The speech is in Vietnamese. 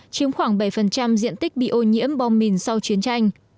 chiếm khoảng bảy diện tích bị ô nhiễm bom mìn sau chiến tranh